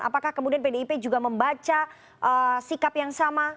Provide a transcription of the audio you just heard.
apakah kemudian pdip juga membaca sikap yang sama